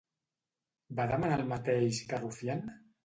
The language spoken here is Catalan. Va demanar el mateix que Rufián?